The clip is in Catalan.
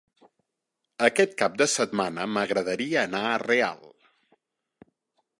Aquest cap de setmana m'agradaria anar a Real.